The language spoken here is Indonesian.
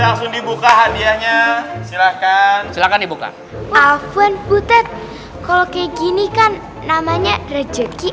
langsung dibuka hadiahnya silakan silakan dibuka alfun putet kalau kayak gini kan namanya rezeki